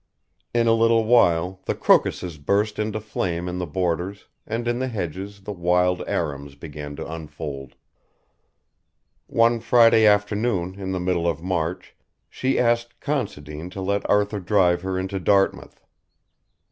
In a little while the crocuses burst into flame in the borders, and in the hedges the wild arums began to unfold. One Friday afternoon in the middle of March she asked Considine to let Arthur drive her into Dartmouth.